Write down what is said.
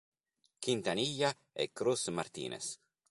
Quintanilla e Cruz Martínez.